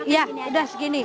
ya udah segini